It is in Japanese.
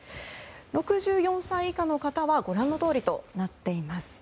６４歳以下の方はご覧のとおりとなっています。